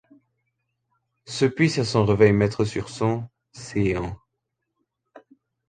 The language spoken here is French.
Se puisse à son réveil mettre sur son, séant.